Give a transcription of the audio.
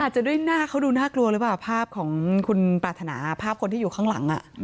จะด้วยหน้าเขาดูน่ากลัวหรือเปล่าภาพของคุณปรารถนาภาพคนที่อยู่ข้างหลัง